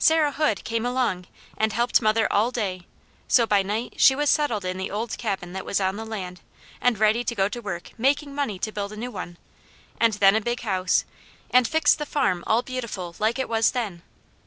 Sarah Hood came along, and helped mother all day, so by night she was settled in the old cabin that was on the land, and ready to go to work making money to build a new one, and then a big house, and fix the farm all beautiful like it was then.